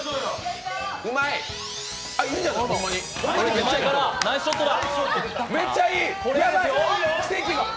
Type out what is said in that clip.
手前から、ナイスショットだ。